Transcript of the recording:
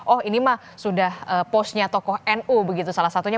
oh ini mah sudah posnya tokoh nu begitu salah satunya